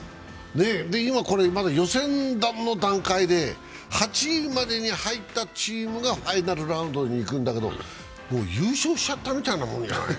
今、これまだ予選の段階で８位までに入ったチームがファイナルラウンドにいくんだけどもう優勝しちゃったみたいなもんじゃない？